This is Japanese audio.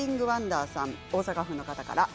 大阪府の方からです。